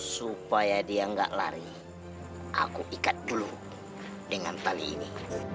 supaya dia gak lari aku ikat dulu dengan tali ini